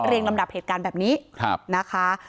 ลำดับเหตุการณ์แบบนี้นะคะ